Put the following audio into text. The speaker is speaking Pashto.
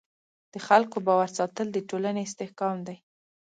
د خلکو باور ساتل د ټولنې استحکام دی.